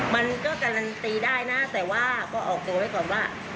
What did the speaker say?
มันก็การันตีได้นะแต่ว่าก็ออกตัวไว้ก่อนว่า